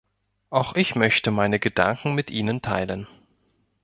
Auch ich möchte meine Gedanken mit Ihnen teilen.